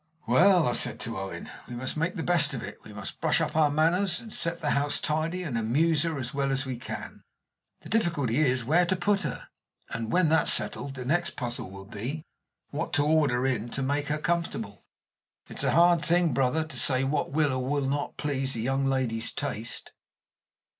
"Well," I said to Owen, "we must make the best of it. We must brush up our manners, and set the house tidy, and amuse her as well as we can. The difficulty is where to put her; and, when that is settled, the next puzzle will be, what to order in to make her comfortable. It's a hard thing, brother, to say what will or what will not please a young lady's taste."